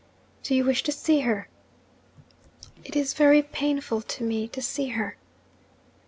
'Do you wish to see her?' 'It is very painful to me to see her.'